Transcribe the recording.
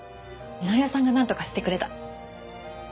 紀夫さんがなんとかしてくれた。